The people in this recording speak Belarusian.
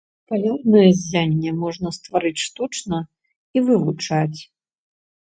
Палярнае ззянне можна стварыць штучна і вывучаць.